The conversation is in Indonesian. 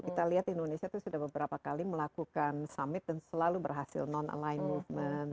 kita lihat indonesia itu sudah beberapa kali melakukan summit dan selalu berhasil non align movement